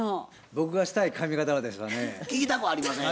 僕がしたい髪形はですはね。